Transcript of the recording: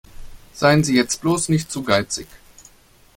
Seien Sie jetzt bloß nicht zu geizig.